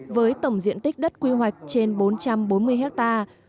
với tổng diện tích đất quy hoạch trên bốn trăm bốn mươi hectare